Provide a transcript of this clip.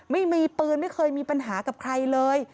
ไม่มีปืนไม่เคยมีปัญหากับใครเลย